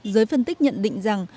giới phân tích nhận định rằng